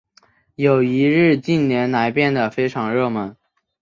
友谊日近年来变得非常热门。